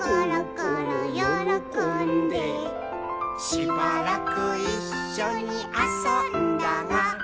「しばらくいっしょにあそんだが」